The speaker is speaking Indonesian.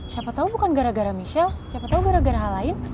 siapa tahu bukan gara gara michelle siapa tahu gara gara hal lain